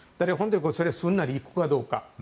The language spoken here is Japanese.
それがすんなりいくかどうか。